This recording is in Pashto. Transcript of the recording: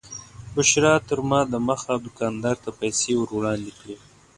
بشرا تر ما دمخه دوکاندار ته پیسې ور وړاندې کړې.